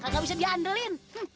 gak bisa diandelin